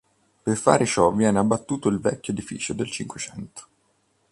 Per fare ciò viene abbattuto il vecchio edificio del Cinquecento.